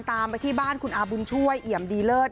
ตามไปที่บ้านคุณอาบุญช่วยเอี่ยมดีเลิศ